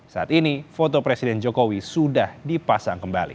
saat ini foto presiden jokowi sudah dipasang kembali